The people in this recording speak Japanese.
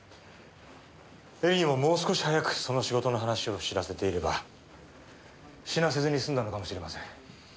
絵里にももう少し早くその仕事の話を知らせていれば死なせずにすんだのかもしれません。